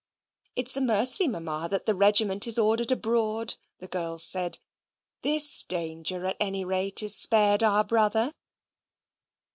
"It is a mercy, Mamma, that the regiment is ordered abroad," the girls said. "THIS danger, at any rate, is spared our brother."